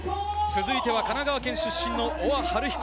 続いては神奈川県出身の大和晴彦。